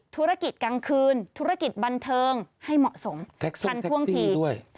ธุรกิจกลางคืนธุรกิจบันเทิงให้เหมาะสมทันท่วงทีด้วย